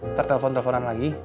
ntar telepon teleponan lagi